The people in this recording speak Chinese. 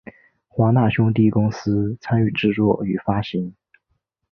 华纳兄弟公司参与制作与发行。